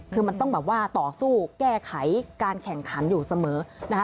คือมันต้องแบบว่าต่อสู้แก้ไขการแข่งขันอยู่เสมอนะคะ